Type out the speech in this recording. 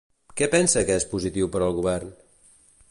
Què pensa que és positiu per al govern?